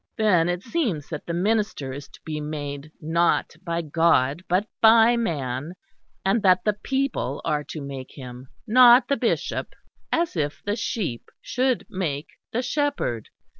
Then it seems that the minister is to be made not by God but by man that the people are to make him, not the bishop (as if the sheep should make the shepherd).